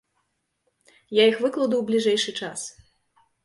Я іх выкладу ў бліжэйшы час.